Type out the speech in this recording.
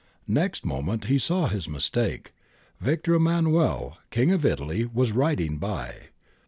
Next moment he saw his mistake. Victor Emmanuel, King of Italy, was riding by.